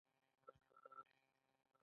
دا باید له نورو سره په برابره توګه وي.